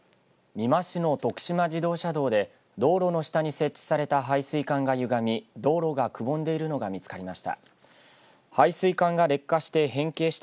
美馬市の徳島自動車道で道路の下に設置された排水管がゆがみ道路がくぼんでいるのが見つかりました。